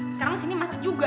sekarang sini masak juga